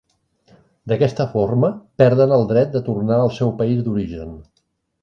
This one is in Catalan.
D'aquesta forma, perden el dret de tornar al seu país d'origen.